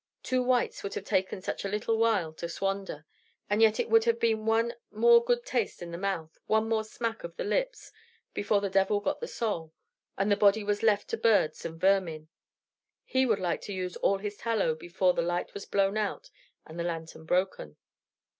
Two whites would have taken such a little while to squander; and yet it would have been one more good taste in the mouth, one more smack of the lips, before the devil got the soul, and the body was left to birds and vermin. He would like to use all his tallow before the light was blown out and the lantern broken.